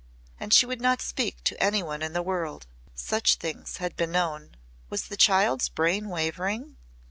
And she would not speak to any one in the world. Such things had been known. Was the child's brain wavering?